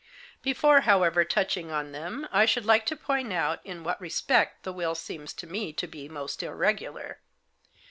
Before, however, touching on them I should like to point out in what respect the will seems to me to be most irregular.